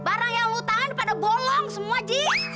barang yang lo utangin pada bolong semua gaji